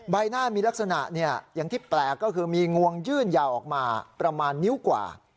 ใบหน้ามีลักษณะอย่างที่แปลกก็คือมีงวงยื่นยาวออกมาประมาณนิ้วกว่า